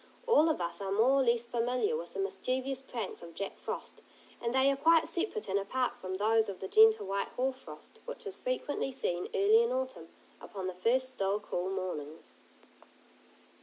All of us are more or less familiar with the mischievous pranks of Jack Frost, and they are quite separate and apart from those of the gentle white hoar frost, which is frequently seen early in autumn, upon the first still, cool mornings.